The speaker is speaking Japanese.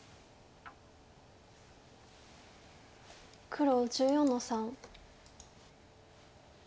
黒１４の三。